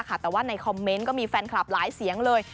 แต่ว่าในคอมเมนต์ก็มีแฟนคลับหลายเสียงเลย